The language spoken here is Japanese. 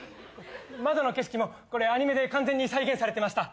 窓の景色もこれアニメで完全に再現されてました。